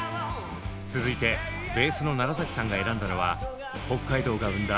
続いてベースの楢さんが選んだのは北海道が生んだ